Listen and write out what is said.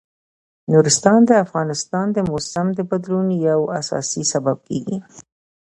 نورستان د افغانستان د موسم د بدلون یو اساسي سبب کېږي.